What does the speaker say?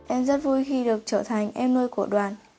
em rất vui khi được trở thành em nuôi của đoàn